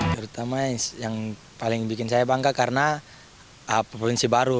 terutama yang paling bikin saya bangga karena provinsi baru